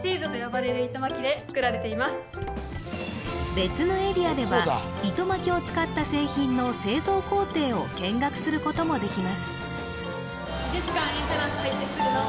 別のエリアでは糸巻きを使った製品の製造工程を見学することもできます